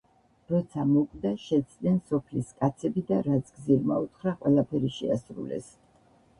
როცა მოკვდა, შეცდნენ სოფლის კაცები და რაც გზირმა უთხრა, ყველაფერი შეასრულეს.